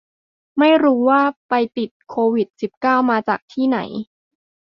ไม่รู้ว่าไปติดโควิดสิบเก้ามาจากที่ไหน